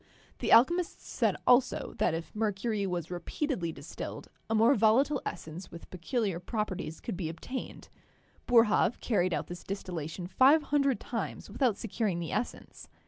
The alchemists said also that if* mercury was repeatedly distilled, a more volatile essence with peculiar properties could be obtained. Boerhaave carried out this distillation five hundred times without securing the essence.